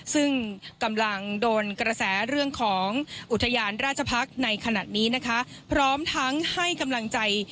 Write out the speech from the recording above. ซึ่งกำลังโดนกระแสเรื่องของอุทยานราชพักษ์ในขณะนี้นะคะพร้อมทั้งให้กำลังใจ